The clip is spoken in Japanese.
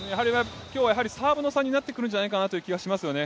今日はやはりサーブの差になってくるんじゃないかという気がしますよね。